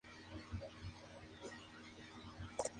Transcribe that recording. Come principalmente camarones.